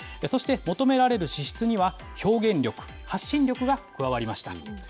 そして、求められる資質には、表現力・発信力が加わりました。